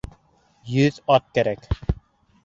Йөҙ ат кәрәк!